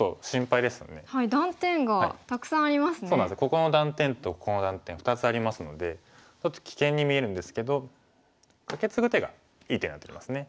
ここの断点とここの断点２つありますのでちょっと危険に見えるんですけどカケツグ手がいい手になってきますね。